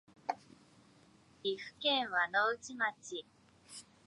岐阜県輪之内町